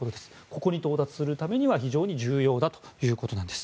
ここに到達するためには非常に重要だということなんです。